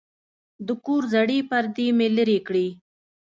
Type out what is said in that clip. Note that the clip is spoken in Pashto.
د کور زړې پردې مې لرې کړې.